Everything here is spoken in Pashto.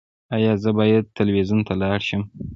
ایا زه باید تلویزیون ته لاړ شم؟